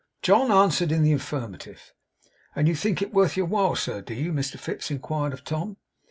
John answered in the affirmative. 'And you think it worth your while, sir, do you?' Mr Fips inquired of Tom.